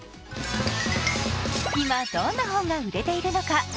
今、どんな本が売れているのか。